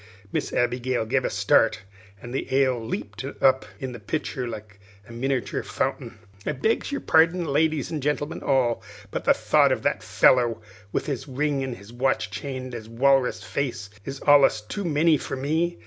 Miss Abigail gave a start, and the ale leaped up in the pitcher like a miniature fountain. "I begs your parden, ladies and gentlemen all; but the thought of that feller with his ring an' his watch chain an' his walrus face, is alus too many for me.